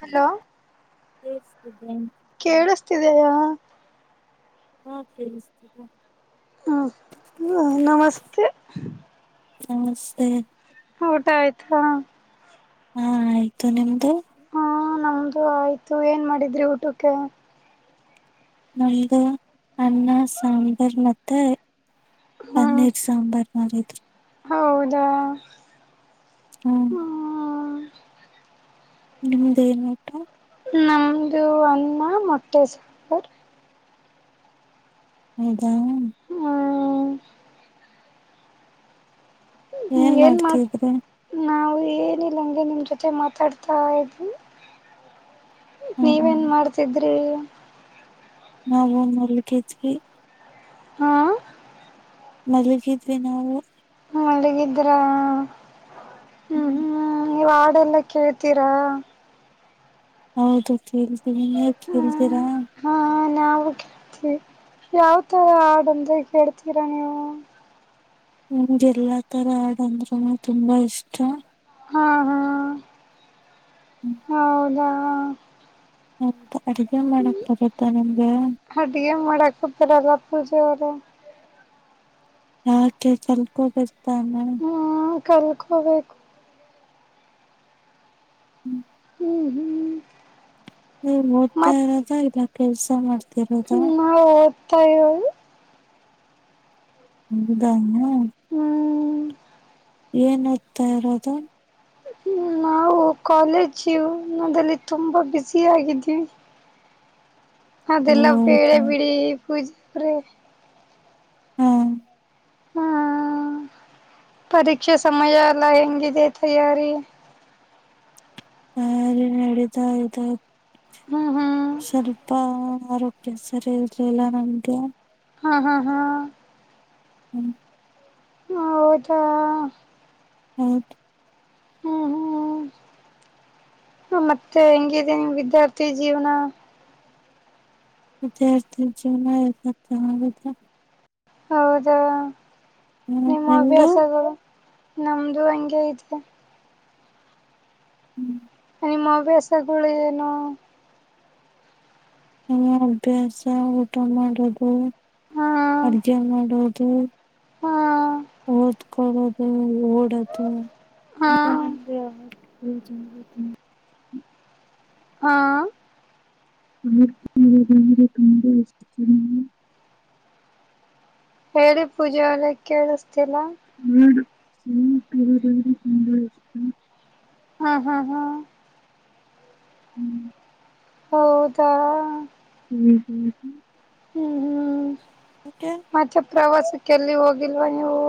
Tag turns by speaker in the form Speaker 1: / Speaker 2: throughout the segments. Speaker 1: Hello
Speaker 2: yes student,
Speaker 1: ತಿದೆಯಾ
Speaker 2: ಹಾ ಕೇಳಿಸ್ತಿದ್ಯಾ.
Speaker 1: ಹ್ಮ ಹ್ಮ ನಮಸ್ತೆ.
Speaker 2: ನಮಸ್ತೆ
Speaker 1: ಹೌದು ಹೌದಾ
Speaker 2: ಹಾ ಆಯ್ತು ನಿಮ್ದು.
Speaker 1: ಹಾ ನಮ್ದು ಆಯ್ತು ಏನ್ ಮಾಡಿದ್ರಿ ಊಟಕ್ಕೆ.
Speaker 2: ನಮ್ದು ಅನ್ನ ಸಾಂಬಾರ್ ಮತ್ತೆ,
Speaker 1: ಹ್ಮ್
Speaker 2: ಪನ್ನೀರ್ ಸಾಂಬಾರ್ ಮಾಡಿದ್ರು.
Speaker 1: ಹೌದಾ
Speaker 2: ಹ್ಮ್
Speaker 1: ಹ್ಮ.
Speaker 2: ನಿಮ್ದ ಏನ್ ಊಟಾ
Speaker 1: ನಮ್ದು ಅನ್ನ ಮೊಟ್ಟೆ ಸಕ
Speaker 2: ಹೌದಾ
Speaker 1: ಹ್ಮ್ ಹ್ಮ ಏನ್ ಮಾತ್ ನಾವ ಏನಿಲ್ಲಂಗೆ ನಿಮ್ಮ ಜೊತೆ ಮಾತಾಡ್ತಾ ಇದ ನೀವೇನ್
Speaker 2: ಹ್ಮ್
Speaker 1: ಮಾಡ್ತಿದ್ರಿ.
Speaker 2: ನಾವು ಮಲಗಿದ್ವಿ.
Speaker 1: ಹ್ಞಾ.
Speaker 2: ಮಲಗಿದ್ವಿ ನಾವು
Speaker 1: ಮಲಗಿದ್ರ ಹ್ಮ
Speaker 2: ಹ್ಮ್
Speaker 1: ಹ್ಮ ಇವಾ ಲ್ಲಾ ಕೇಳ್ತೀರಾ.
Speaker 2: ಹೌದು ಕೇಳ್ತೀವಿ ನೀವ್
Speaker 1: ಹ್ಮ್
Speaker 2: ಕೇಳ್ತೀರಾ.
Speaker 1: ಹಾ ನಾವು ಕೇಳ್ತಿವಿ ಯಾವ ತರ ಹಾಡಂದ್ರೆ ಕೇಳ್ತೀರಾ ನೀವು
Speaker 2: ನಮ್ಗ ಎಲ್ಲಾ ತರ ಆಡಂದ್ರನೂ ತುಂಬಾ ಇಷ್ಟ.
Speaker 1: ಹಾ ಹಾ ಹೌದಾ
Speaker 2: ಹ್ಮ.
Speaker 1: ಅಡಿಗೆ ಮಡಾಕತರಲ್ಲ ಪೂಜರ
Speaker 2: ಯಾಕೆ ಕಲ್ಕೊಬೇಕ ತಾನೇ
Speaker 1: ಹ್ಮ್ ಕಲ್ಕೋಬೇಕು.
Speaker 2: ಹ್ಮ.
Speaker 1: ಹ್ಮ ಹ್ಮ.
Speaker 2: ನೀ ಓದ್ತಾ ಇರೋದ ಇಲ್ಲ ಕೆಲ್ಸ ಮಾಡ್ತಿರೋದ.
Speaker 1: ತಾಯ
Speaker 2: ಹೌದ ನ
Speaker 1: ಹ್ಮ.
Speaker 2: ಏನ ಓದ್ತಾ ಇರೋದು.
Speaker 1: ನಾವು ಕಾಲೇಜ್ ಜೀವನದಲ್ಲಿ ತುಂಬ ಬ್ಯುಜಿ ಆಗಿದಿವಿ.
Speaker 2: ಓ
Speaker 1: ಅದೆಲ್ಲ ಬೇಳೆ
Speaker 2: ಹೌದಾ
Speaker 1: ಬಿಡಿ ಪೂಜಾ ಆವರೆ
Speaker 2: ಹ್ಮ.
Speaker 1: ಹ್ಮ. ಪರೀಕ್ಷೆ ಸಮಯ ಎಲ್ಲ ಹೆಂಗಿದೆ ತಯಾರಿ.
Speaker 2: ತಯಾರಿ ನಡೀತಾ ಇ
Speaker 1: ಹ್ಮ್ ಹ್ಮ್
Speaker 2: ಸ್ವಲ್ಪ ಆರೋಗ್ಯ ಸರಿ ಇರ್ಲಿಲ್ಲ ನಂಗೆ
Speaker 1: ಹಾ ಹಾ ಹಾ
Speaker 2: ಹ್ಮ.
Speaker 1: ಹೌದಾ
Speaker 2: ಹೌದು.
Speaker 1: ಹ್ಮ ಹ್ಮ. ಮತ್ತೆ ಹೆಂಗಿದೆ ನಿಮ್ಮ ವಿದ್ಯಾರ್ಥಿ ಜೀವನ
Speaker 2: ವಿದ್ಯಾರ್ಥಿ ಜೀವನ ಎಲ್ಲಾ ಚೆನ್ನಗ ಐತೆ.
Speaker 1: ಹೌದಾ
Speaker 2: ಹ್ಮ್
Speaker 1: ನಿಮ್ಮ
Speaker 2: ನಿಮ್ದು
Speaker 1: ಹವ್ಯಾಸಗಳು ನಮ್ದು ಹಂಗೆ ಇದೆ.
Speaker 2: ಹ್ಮ.
Speaker 1: ನಿಮ್ಮ ಹವ್ಯಾಸಗಳು ಏನು.
Speaker 2: ನ ಅಭ್ಯಾಸ ಊಟ ಮಾಡೋದು
Speaker 1: ಹಾ
Speaker 2: ಅಡ್ಗೆ ಮಾಡೋ ಕೆ
Speaker 1: ಹಾ
Speaker 2: ಓದ್ಕೊಳ್ಳೋದು ಓಡೋದು.
Speaker 1: ಹ್ಞಾ.
Speaker 2: ಇದು ನನ್ಗೆ [unintelligible]
Speaker 1: ಹಾ
Speaker 2: [unintelligible]
Speaker 1: ಹೇಳಿ ಪೂಜಾ ಅವ್ರೆ ಕೆಳಸ್ತಿಲ್ಲ.
Speaker 2: ನಂಗ್ ತಿನ್ನೋದು ಅಂದ್ರೆ ತುಂಬಾ ಇಷ್ಟ.
Speaker 1: ಹಾ ಹಾ ಹಾ
Speaker 2: ಹ್ಮ್
Speaker 1: ಹೌದಾ
Speaker 2: ಹ್ಮ್ ಹ್ಮ್
Speaker 1: ಹ್ಮ್ ಹ್ಮ್
Speaker 2: ಯಾಕೆ
Speaker 1: ಪ್ರವಾಸಕ್ಕ ಎಲ್ಲಿ ಹೋಗಿಲ್ವಾ ನೀವು.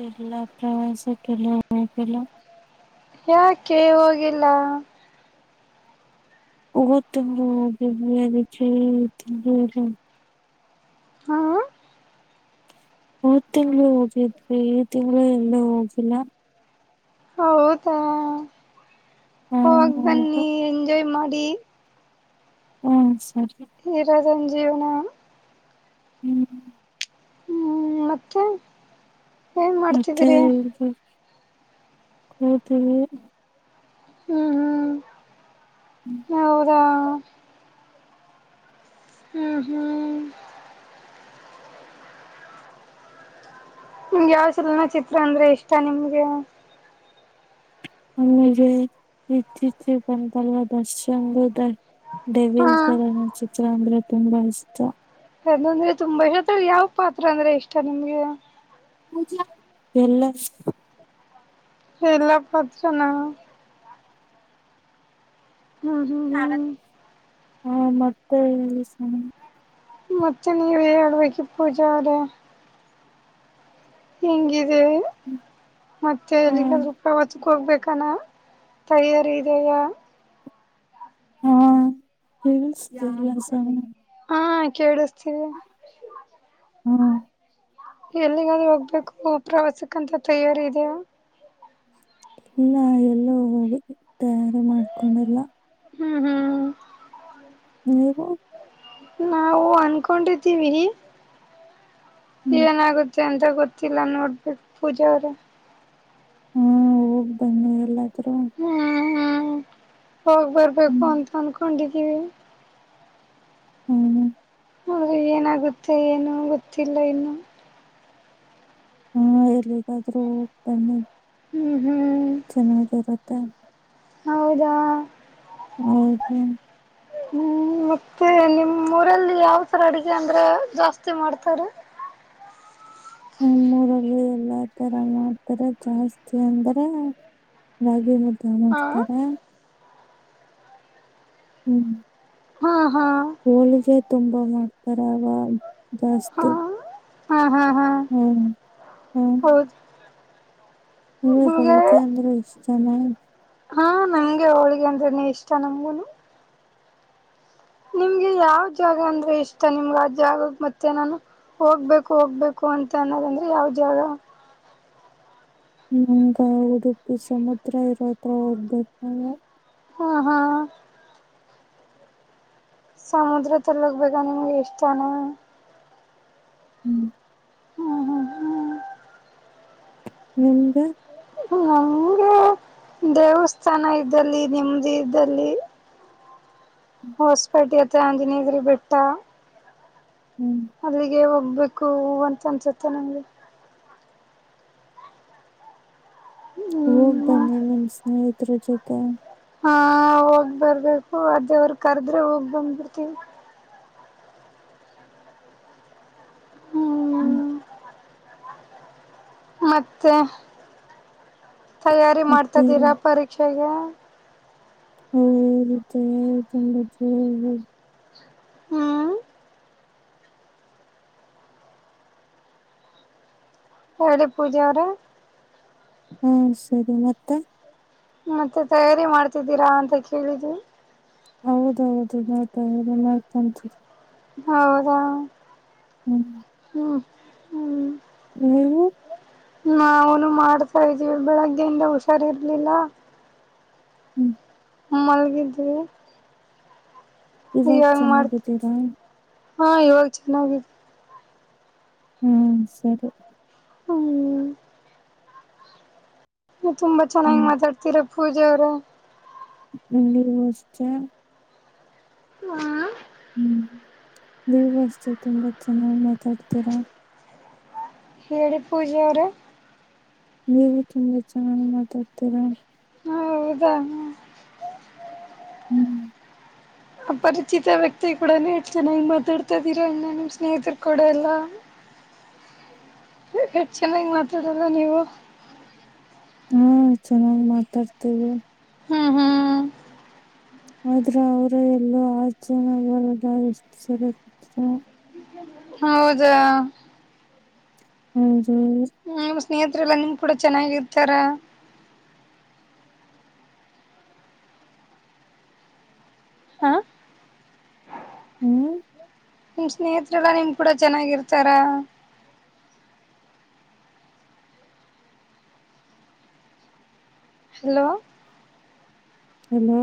Speaker 2: ಇಲ್ಲಾ ಪ್ರವಾಸಕ್ಕ ಎಲ್ಲೂ ಹೋಗಿಲ್ಲ.
Speaker 1: ಯಾಕೆ ಹೋಗಿಲ್ಲ.
Speaker 2: ಹೊದ ತಿಂಗಳು ಹೋಗಿದ್ವಿ ಅದಿಕ್ಕೆ ಈ ತಿಂಗಳು ಹೋಗಿಲ್ಲ.
Speaker 1: ಹಾ
Speaker 2: ಹೊದ ತಿಂಗಳು ಹೋಗಿದ್ವಿ ಈ ತಿಂಗಳು ಎಲ್ಲೂ ಹೋಗಿಲ್ಲ.
Speaker 1: ಹೌದಾ
Speaker 2: ಆ,
Speaker 1: ಹೋಗ
Speaker 2: ಅದು
Speaker 1: ಬನ್ನಿ ಎಂಜಾಯ್ ಮಾಡಿ.
Speaker 2: ಹ್ಮ್ ಸರಿ
Speaker 1: ಇರೋದ್ ಒಂದ್ ಜೀವನ.
Speaker 2: ಹ್ಮ್
Speaker 1: ಹ್ಮ್ ಮತ್ತೆ. ಏನ್
Speaker 2: ಮತ್ತೆ
Speaker 1: ಮಾಡ್ತಿದ್ರಿ
Speaker 2: ಹೇಳ್ಬೇಕ ಮತ್ತು.
Speaker 1: ಹ್ಮ
Speaker 2: ಹ್ಮ್,
Speaker 1: ಹ್ಮ ಹೌದ. ಹ್ಮ್ ಹ್ಮ್ ನಿಮ್ಗೆ ಯಾವ್ ಚಲನ ಚಿತ್ರ ಅಂದ್ರೆ ಇಷ್ಟ ನಿಮ್ಗೆ.
Speaker 2: ನಂಗೆ [unintelligible] ಅಂತಲ್ವ ದರ್ಶಾಂದು ದ.
Speaker 1: ಹಾ
Speaker 2: ಡೆವಿಲ್ ಚಲನ ಚಿತ್ರ ಅಂದ್ರೆ ತುಂಬಾ ಇಷ್ಟ.
Speaker 1: ಅದನಂದ್ರೆ ತುಂಬಾ ಅದೆ ಯಾವ ಪಾತ್ರ ಅಂದ್ರೆ ಇಷ್ಟ ನಿಮ್ಗೆ ಅ.
Speaker 2: ಪೂಜಾ ಎಲ್ಲ ಇಸ್
Speaker 1: ಎಲ್ಲಾ ಪಾತ್ರನ. ಹ್ಮ್ ಹ್ಮ್ ಹ್ಮ್
Speaker 2: ಹಾ ಮತ್ತೆ ಇ
Speaker 1: ಮತ್ತೆ ನೀವೆ ಹೇಳಬೇಕ ಪೂಜಾ ಅವ್ರೆ. ಹಿಂಗಿದೀವಿ ಮತ್ತೆ
Speaker 2: ಹಾ
Speaker 1: ಎಲ್ಲಿಗಾದ್ರು ಪ್ರವಾ ಹೋಗ್ಬೇಕಾನ ತಯಾರಿ ಇದೆಯ.
Speaker 2: ಹಾ ರಿಲ್ಸ್ [unintelligible]
Speaker 1: ಹಾ ಕೇಳಸ್ತೀದೇ.
Speaker 2: ಹಾ
Speaker 1: ಎಲ್ಲಿಗಾದ್ರೂ ಹೋಗ್ಬೇಕು ಪ್ರವಾಸಕ್ಕಂತ ತಯಾರಿ ಇದೆಯಾ.
Speaker 2: ಇಲ್ಲ ಎಲ್ಲೋ ಹೋಗಿ ತಯಾರಿ ಮಾಡ್ಕೊಂಡಲ್ಲ.
Speaker 1: ಹ್ಮ್ ಹ್ಮ್
Speaker 2: ನೀವು
Speaker 1: ನಾವು ಅನ್ಕೊಂಡಿದ್ದೀವಿ.
Speaker 2: ಹ್ಮ್
Speaker 1: ಏನಾಗುತ್ತೆ ಅಂತ ಗೊತ್ತಿಲ್ಲ ನೋಡ್ಬೇಕ ಪೂಜಾ ಅವ್ರೆ.
Speaker 2: ಹ್ಮ ಹೋಗ್ ಬನ್ನಿ ಎಲ್ಲಾದ್ರೂ.
Speaker 1: ಹ್ಮ್ ಹ್ಮ್ ಹೋಗ್ ಬರ್ಬೇಕು
Speaker 2: ಹ್ಮ್
Speaker 1: ಅಂತ ಅನ್ಕೊಂಡಿದ್ದೀವಿ.
Speaker 2: ಹ್ಮ್ ಹ್ಮ್
Speaker 1: ಆದ್ರೆ ಏನಾಗುತ್ತೆ ಏನು ಗೊತ್ತಿಲ್ಲ ಇನ್ನು.
Speaker 2: ಹ್ಮ್ ಎಲ್ಲಿಗಾದ್ರು ಹೋಗ್ ಬನ್ನಿ.
Speaker 1: ಹ್ಮ್ ಹ್ಮ್
Speaker 2: ಹ
Speaker 1: ಹೌದಾ
Speaker 2: ಹ್ಮ ಹ್ಮ್
Speaker 1: ಹ್ಮ್ ಮತ್ತೆ ನಿಮ್ಮ ಊರಲ್ಲಿ ಯಾವಥರ ಅಡುಗೆ ಅಂದ್ರೆ ಜಾಸ್ತಿ ಮಾಡ್ತಾರೆ
Speaker 2: ನಮ್ಮರಲ್ಲಿ ಎಲ್ಲಾ ತರ ಮಾಡ್ತಾರ ಜಾಸ್ತಿ ಅಂದ್ರ ರಾಗಿ ಹದ್ದ
Speaker 1: ಹಾ
Speaker 2: ಮಾಡ್ತಾರ ಹ್ಮ್
Speaker 1: ಹಾ ಹಾ
Speaker 2: ಹೋಲಿಗೆ ತುಂಬಾ ಮಾಡ್ತಾರ
Speaker 1: ಹಾ
Speaker 2: ಜಾಸ್ತಿ
Speaker 1: ಹಾ ಹ್ಮ
Speaker 2: ಹ್ಮ್ ಹ್ಮ್ ಹ ಕೌತ
Speaker 1: ನಿಮಗೆ
Speaker 2: ಅಂದ್ರೆ ಇಷ್ಟನ
Speaker 1: ಹಾ ನಂಗೆ ಅವಳಿಗೆ ಅಂದ್ರೆನ ಇಷ್ಟ ನಮ್ಗುನು ನಿಮ್ಗೆ ಯಾವ್ ಜಾಗ ಅಂದ್ರೆ ಇಷ್ಟ ನಿಮ್ಗ ಆ ಜಾಗಾಗ ಮತ್ತೆ ನಾನು ಹೋಗ್ಬೇಕು ಹೋಗ್ಬೇಕು ಅಂತ ಅನ್ನೋದಂದ್ರೆ ಯಾವ ಜಾಗ
Speaker 2: ಹಂಗ ಉಡುಪಿ ಸಮುದ್ರ ಇರೋದ ಒಬ್ಬೇಕು ನಾವು
Speaker 1: ಹಾ ಹಾ ಸಮುದ್ರ ತಲ್ಲಕ್ ಬೇಕಂದಗೆ ಇಷ್ಟಾನ
Speaker 2: ಹ್ಮ್
Speaker 1: ಹ್ಮ್ ಹ್ಮ್ ಹ್ಮ್
Speaker 2: ನಿಮ್ದ
Speaker 1: ನಂಗೆ ದೇವಸ್ಥಾನ ಇದ್ದಲ್ಲಿ ನೆಮ್ಮದಿ ಇದ್ದಲ್ಲಿ ಹೊಸ್ಪೇಟಿ ಅತ್ರ ಆಂಜನೇಗರಿ ಬೆಟ್ಟ
Speaker 2: ಹ್ಮ್
Speaker 1: ಅಲ್ಲಿಗೆ ಒಬ್ಬೇಕು ಅಂತ ಅನ್ಸುತ್ತೆ ನಂಗೆ
Speaker 2: ಹೋಗ್
Speaker 1: ಹ್ಮ್
Speaker 2: ಬನ್ನಿ ನಿಮ್ ಸ್ನೇಹಿತರ ಜೊತೆ
Speaker 1: ಹ ಹೋಗ್ ಬರ್ಬೇಕು ಅದೇವರು ಕರ್ದ್ರೆ ಹೋಗ್ ಬಂದ್ಬಿಡ್ತವಿ ಹ
Speaker 2: ಹ್ಮ್
Speaker 1: ಮತ್ತೆ ತಯಾರಿ
Speaker 2: ಮತ್ತೆ
Speaker 1: ಮಾಡ್ತಾಿದ್ದೀರಾ ಪರೀಕ್ಷೆಗೆ
Speaker 2: ಹೌ ಚಂಬ
Speaker 1: ಹ್ಮ್ ಎಳಿ ಪೂಜ ಅವರ
Speaker 2: ಹಾ ಸರಿ ಮತ್ತೆ
Speaker 1: ಮತ್ತೆ ತಯಾರಿ ಮಾಡ್ತಿದ್ದೀರಾ ಅಂತ ಕೇಳಿದ್ವಿ
Speaker 2: ಹೌದೌದು ನಾತಲ್ಲ ಮಾಡ್ಕೊಂತೀಿ
Speaker 1: ಹೌದಾ
Speaker 2: ಹ್ಮ್
Speaker 1: ಹ್ಮ ಹ್ಮ
Speaker 2: ನೀ್ಮವು
Speaker 1: ನನು ಮಾಡ್ತಾ ಇದ್ದೀವಿ ಬೆಳಗ್ಗೆಯಿಂದ ಹುಷಾರಿರ್ಲಿಲ್ಲ
Speaker 2: ಹ್ಮ್
Speaker 1: ಮಲಗಿದ್ವಿ
Speaker 2: ಇವಾಗ ಚೆನ್ನಾಗಿದ್ದೀರಾ
Speaker 1: ಹಾ ಇವಾಗ ಚೆನ್ನಾಗಿದೆ
Speaker 2: ಹ್ಮ ಸರಿ
Speaker 1: ಹ್ಮ್ ತುಂಬಾ ಚೆನ್ನಾಗಿ
Speaker 2: ಹ್ಮ್
Speaker 1: ಮಾತಾಡ್ತಿೀರ ಪೂಜ ಅವ್ರ
Speaker 2: ನೀವು ಅಷ್ಟೇ
Speaker 1: ಹ್ಮ್
Speaker 2: ಹ್ಮ್ ನೀವು ಅಷ್ಟೇ ತುಂಬಾ ಚೆನ್ನಾಗ್ ಮಾತಾಡ್ತೀರಾ
Speaker 1: ಹೇಳಿ ಪೂಜಾ ಅವರೇ
Speaker 2: ನೀವು ತುಂಬಾ ಚೆನ್ನಾಗ್ ಮಾತಾಡ್ತೀರಾ
Speaker 1: ಹೌದ
Speaker 2: ಹ್ಮ್
Speaker 1: ಅಪರಿಚಿತ ವ್ಯಕ್ತಿ ಕೂಡ ನೀವು ಮಾತಾಡ್ತಾ ಇದೀರಾ ನಿಮ್ಮ್ ಸ್ನೇಹಿತರು ಕೂಡ ಅಲ್ಲ ಎಟ್ ಚೆನ್ನಂಗ ಮಾತಾಡಲ್ಲ ನೀವು
Speaker 2: ಹಾ ಚೆನ್ನಾಗಿ ಮಾತಾಡ್ತೇವಿ
Speaker 1: ಹ್ಮ್ ಹ್ಮ್
Speaker 2: ಆದ್ರೆ ಅವರ ಎಲ್ಲೋ [unintelligible] ಆಚನದ ಎಷ್ಟು ಸ
Speaker 1: ಹೌದಾ
Speaker 2: ಹ್ಮ್
Speaker 1: ಹ್ಮ್ ನಿಮ್ಮ ಸ್ನೇಹತ್ರೆಲ್ಲಾ ನಿಮ್ ಕೂಡ ಚೆನ್ನಾಗಿರ್ತಾರ ಹಾ
Speaker 2: ಹ್ಮ್
Speaker 1: ನಿಮ್ ಸ್ನೇಹತ್ರೆಲ್ಲ ನಿಮ್ ಕೂಡ ಚೆನ್ನಾಗಿರ್ತಾರ ಹಲೋ
Speaker 2: ಹಲೋ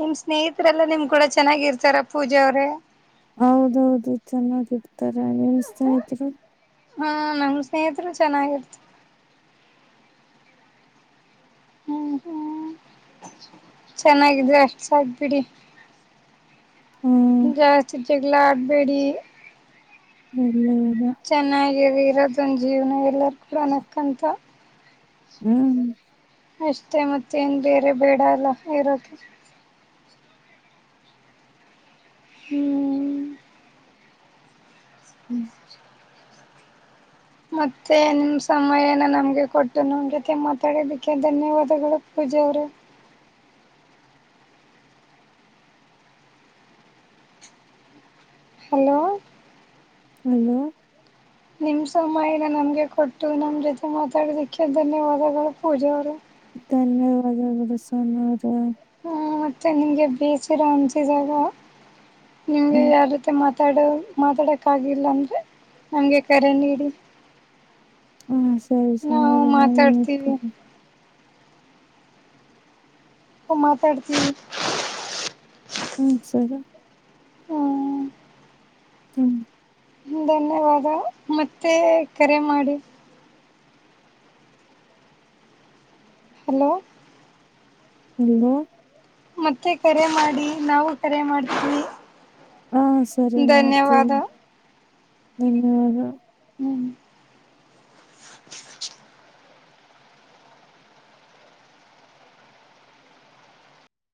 Speaker 1: ನಿಮ್ ಸ್ನೇಹಿತರೆ ಎಲ್ಲ ನಿಮ್ ಕೂಡ ಚೆನ್ನಾಗಿ ಇರ್ತಾರ ಪೂಜೆ ಅವ್ರೇ
Speaker 2: ಹೌದೌದು ಚೆನ್ನಾಗಿರ್ತಾರೆ ನಿಮ್ಮ ಸ್ನೇಹಿತರು
Speaker 1: ಹಾ ನಮ್ ಸ್ನೇಹಿತರು ಚೆನ್ನಾಗಿರ್ತ ಹ್ಮ್ ಹ್ಮ ಚೆನ್ನಾಗಿದ ಸಾಕು ಬಿಡಿ
Speaker 2: ಹ್ಮ್
Speaker 1: ಜಾಸ್ತಿ ಜಗಳ ಆಡಬೇಡಿ
Speaker 2: ಎಲ್ಲ ಇಲ್ಲ
Speaker 1: ಇರೋದೊಂದು ಜೀವನ ಎಲ್ಲರ ಕೂಡ ನಕ್ಕಂತ
Speaker 2: ಹ್ಮ್
Speaker 1: ಅಷ್ಟೇ ಮತ್ತೇಏನ್ ಬೇರೆ ಬೇಡ ಅಲ್ಲ ಇರೋಕ ಹ್ಮ್
Speaker 2: ಹ್ಮ್
Speaker 1: ಮತ್ತೆ ನಿಮ್ ಸಮಯನ ನಮ್ಗೆ ಕೊಟ್ಟು ನಮ್ ಜೊತೆ ಮಾತಾಡೋದಕ್ಕೆ ಧನ್ಯವಾದಗಳು ಪೂಜ ಅವರೇ ಹಲೋ
Speaker 2: ಹಲೋ
Speaker 1: ನಿಮ್ ಸಮಯನ ನಮ್ಗೆ ಕೊಟ್ಟು ನಮ ಜೊತೆ ಮಾತಾಡೋದಿಕ್ಕೆ ಧನ್ಯವಾದಗಳು ಪೂಜೆ ಅವರು
Speaker 2: ಧನ್ಯವಾದಗಳು
Speaker 1: ಮತ್ತೆ ನಿಂಗೆ ಬೇಸಿರೋ ಅಂತಿದಾಗ ನಿಮ್ಗೆ
Speaker 2: ಹ್ಮ್
Speaker 1: ಯಾವ ರೀತಿ ಮಾತಾಡೋ ಮಾತಾಡೋಕ್ಕಾಗಿಲ್ಲ ಅಂದ್ರರೆ ನನಗೆ ಕರೆ ನೀಡಿ
Speaker 2: ಹಾ ಸರಿ
Speaker 1: ನಾವು
Speaker 2: ಸರಿ ನಾನ
Speaker 1: ಮಾತಾಡ್ತೀವಿ ಹ ಮಾತಾಡ್ತೀನಿ
Speaker 2: ಹ್ಮ್ ಸರಿ
Speaker 1: ಹ್ಮ
Speaker 2: ಹ್ಮ್
Speaker 1: ಧನ್ಯವಾದ ಮತ್ತೆ ಕರೆ ಮಾಡಿ ಹಲೋ
Speaker 2: ಹಲೋ
Speaker 1: ಮತ್ತೆ ಕರೆ ಮಾಡಿ ನಾವು ಕರೆ ಮಾಡ್ತೀವಿ
Speaker 2: ಹಾ ಸರಿ ನಡ್ತೇವಿ
Speaker 1: ಧನ್ಯವಾದ
Speaker 2: ನಿನ್ [unintelligible] ಗ
Speaker 1: ಹ್ಮ್ ಹ